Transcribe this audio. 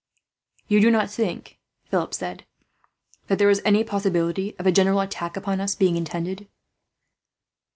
"You do not think," Philip said, "that there is any possibility of a general attack upon us being intended?"